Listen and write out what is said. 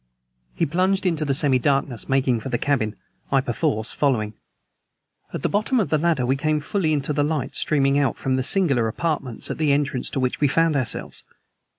He plunged into the semi darkness, making for the cabin, I perforce following. At the bottom of the ladder we came fully into the light streaming out from the singular apartments at the entrance to which we found ourselves.